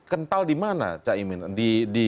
kental di mana cak iminin